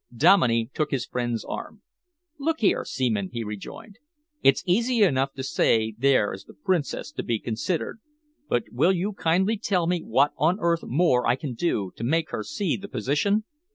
Dominey took his friend's arm. "Look here, Seaman," he rejoined, "it's easy enough to say there is the Princess to be considered, but will you kindly tell me what on earth more I can do to make her see the position?